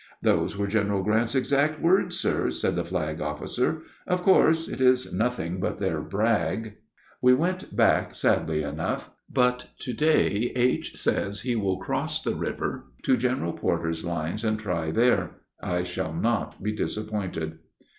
"Those were General Grant's exact words, sir," said the flag officer. "Of course it is nothing but their brag." We went back sadly enough, but to day H. says he will cross the river to General Porter's lines and try there; I shall not be disappointed.